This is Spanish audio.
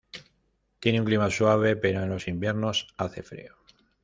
Tiene un clima suave, pero en los inviernos hace frío.